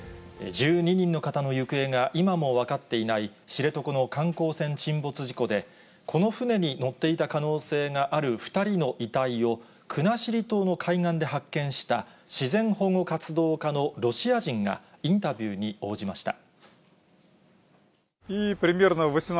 １２人の方の行方が今も分かっていない、知床の観光船沈没事故で、この船に乗っていた可能性がある２人の遺体を、国後島の海岸で発見した自然保護活動家のロシア人が、インタビューに応じました。